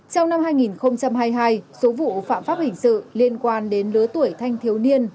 trong năm hai nghìn hai mươi hai số vụ phạm pháp hình sự liên quan đến lứa tuổi thanh thiếu niên